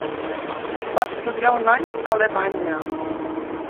Va estudiar un any a Alemanya.